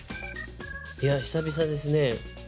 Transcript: いや久々ですね。